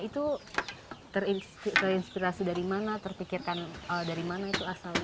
itu terinspirasi dari mana terpikirkan dari mana itu asalnya